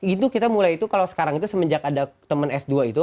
itu kita mulai itu kalau sekarang itu semenjak ada teman s dua itu